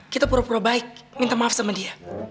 kita pura pura baik minta maaf sama dia